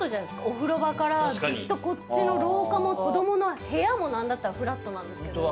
お風呂場からずっとこっちの廊下も子どもの部屋もフラットなんです。